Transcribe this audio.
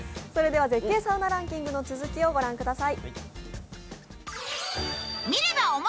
絶景サウナランキングの続きを御覧ください。